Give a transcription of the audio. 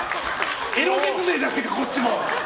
エロギツネじゃねえか、こっちも。